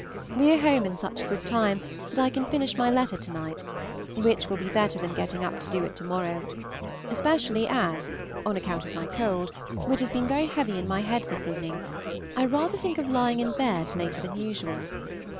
We are home in such good time that I can finish my letter to night, which will be better than getting up to do it to morrow, especially as, on account of my cold, which has been very heavy in my head this evening, I rather think of lying in bed later than usual.